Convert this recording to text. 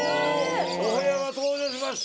お部屋が登場しました！